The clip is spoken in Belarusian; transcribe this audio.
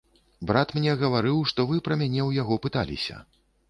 Брат мне гаварыў, што вы пра мяне ў яго пыталіся.